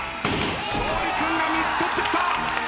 勝利君が３つとってきた！